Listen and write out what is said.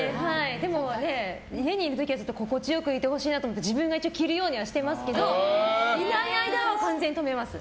でも家にいる時は心地良くいてほしいなと思って自分が着るようにはしてますけどいない間は完全に止めます。